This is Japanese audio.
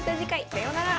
さようなら。